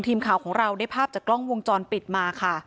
ทีมข่าวของเราได้ภาพจากกล้องวงจรปิดมาค่ะ